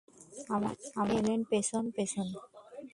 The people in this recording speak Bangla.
আমার স্বামী এলেন পেছন পেছন।